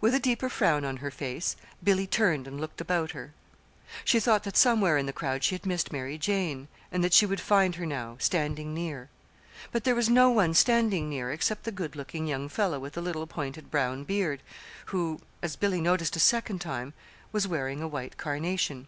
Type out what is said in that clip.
With a deeper frown on her face Billy turned and looked about her. She thought that somewhere in the crowd she had missed Mary Jane, and that she would find her now, standing near. But there was no one standing near except the good looking young fellow with the little pointed brown beard, who, as Billy noticed a second time, was wearing a white carnation.